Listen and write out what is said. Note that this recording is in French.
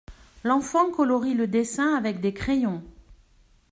L’enfant colorie le dessin avec des crayons.